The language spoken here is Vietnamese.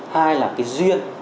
hai là cái duyên